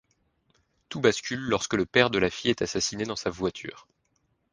Tout bascule lorsque le père de la fille est assassiné dans sa voiture.